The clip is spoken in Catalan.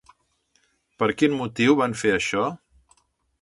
Per quin motiu van fer això?